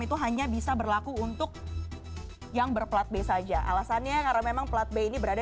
itu hanya bisa berlaku untuk yang berplat b saja alasannya karena memang plat b ini berada